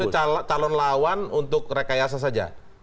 jadi maksudnya calon lawan untuk rekayasa saja